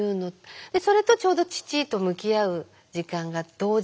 それとちょうど父と向き合う時間が同時になって。